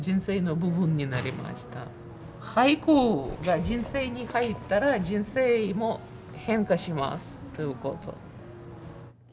俳句が人生に入ったら人生も変化しますということ。